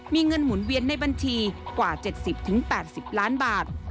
มีเงินหมุนเวียนในบัญชีกว่า๗๐๘๐ล้านบาท